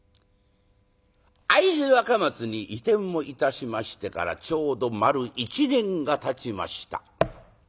会津若松に移転をいたしましてからちょうど丸一年がたちました。